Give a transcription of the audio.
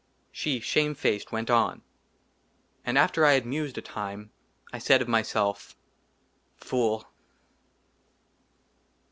SHE, SHAMEFACED, WENT ON ; AND AFTER I HAD MUSED A TIME, I SAID OF MYSELF, " FOOL